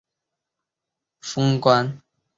股市在万点封关